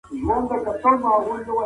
څه ډول خواړه د روغتیا لپاره اړین دي؟